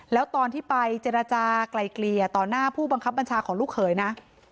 แล้วตอนที่ไปเจรจากลายเกลี่ยต่อหน้าผู้บังคับบัญชาของลูกเขยนะ